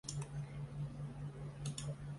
但目前实际上仅可在长三角部分城市使用。